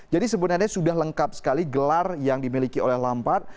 jadi sebenarnya sudah lengkap sekali gelar yang dimiliki oleh lampard